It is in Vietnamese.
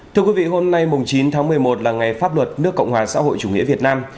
thưa quý vị hôm nay chín tháng một mươi một là ngày pháp luật nước cộng hòa xã hội chủ nghĩa việt nam